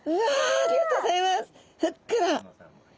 ありがとうございます！